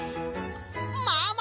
ママ！